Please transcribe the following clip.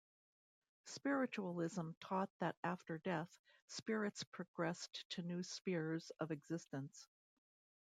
Spiritualism taught that after death, spirits progressed to new spheres of existence.